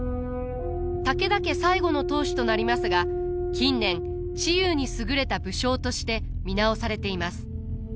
武田家最後の当主となりますが近年知勇に優れた武将として見直されています。